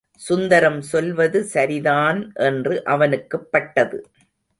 சுந்தரம் சொல்வது சரிதான் என்று அவனுக்குப் பட்டது.